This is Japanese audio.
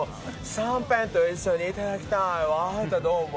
シャンペンと一緒にいただきたいわ。